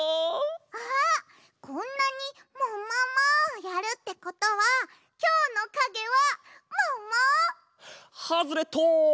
あっこんなに「ももも！」をやるってことはきょうのかげはもも？ハズレット！